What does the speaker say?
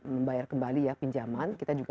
membayar kembali ya pinjaman kita juga